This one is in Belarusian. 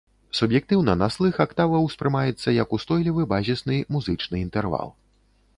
Суб'ектыўна на слых актава ўспрымаецца як ўстойлівы, базісны музычны інтэрвал.